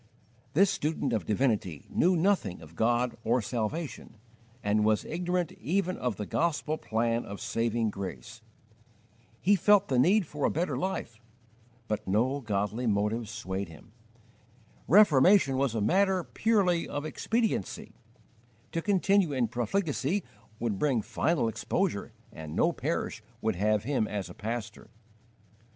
This student of divinity knew nothing of God or salvation, and was ignorant even of the gospel plan of saving grace. He felt the need for a better life, but no godly motives swayed him. Reformation was a matter purely of expediency: to continue in profligacy would bring final exposure, and no parish would have him as a pastor.